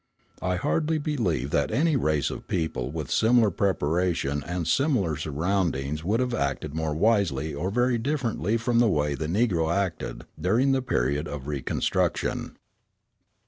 I hardly believe that any race of people with similar preparation and similar surroundings would have acted more wisely or very differently from the way the Negro acted during the period of reconstruction.